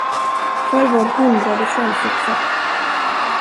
För vår hundrade svensexa!